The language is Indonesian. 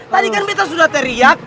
tadi kan kita sudah teriak